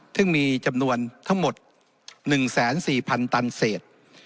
ซึ่งมีจำนวนทั้งหมด๑๔๐๐๐ตันเศษ